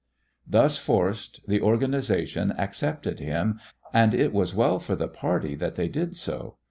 Thus forced, the organization accepted him, and it was well for the party that they did so.